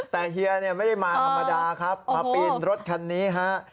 แต่เฮียเนี่ยไม่ได้มาธรรมดาครับมาปีนรถคันนี้ฮะ